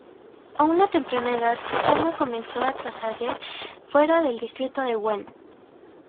A una temprana edad su fama comenzó a trascender fuera de distrito de Wen.